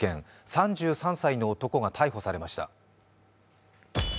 ３３歳の男が逮捕されました。